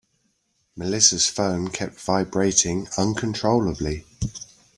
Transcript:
Melissa's phone kept vibrating uncontrollably.